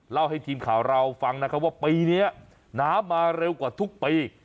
เล่าให้ทีมข่าวเราฟังนะครับว่าปีนี้น้ำมาเร็วกว่าทุกปี